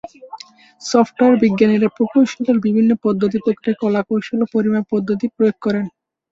Software বিজ্ঞানীরা প্রকৌশলের বিভিন্ন পদ্ধতি, প্রক্রিয়া, কলাকৌশল ও পরিমাপ পদ্ধতি প্রয়োগ করেন।